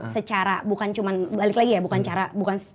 secara bukan cuma belajar di sd itu ada di sd juga di sd juga di smp sma